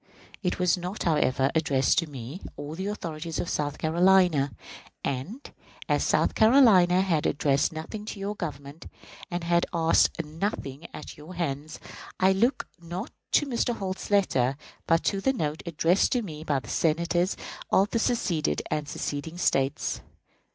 It was not, however, addressed to me, or to the authorities of South Carolina; and, as South Carolina had addressed nothing to your Government, and had asked nothing at your hands, I looked not to Mr. Holt's letter but to the note addressed to me by the Senators of the seceded and seceding States.